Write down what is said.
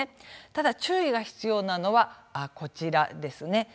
ただ、注意が必要なのはこちらですね。